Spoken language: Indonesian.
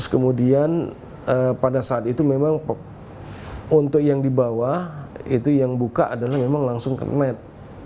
kemudian pada saat itu memang untuk yang di bawah itu yang buka adalah memang langsung ke net